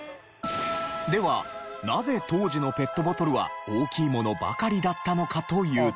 ではなぜ当時のペットボトルは大きいものばかりだったのかというと。